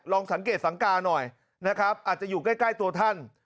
สังเกตสังกาหน่อยนะครับอาจจะอยู่ใกล้ตัวท่าน